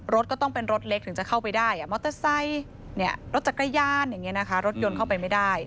รถก็ต้องเป็นรถเล็กถึงจะเข้าไปได้มอเตอร์ไซค์รถจักรยานอย่างนี้นะคะรถยนต์เข้าไปไม่ได้